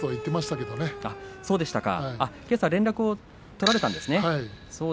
けさ連絡を取られたんですね。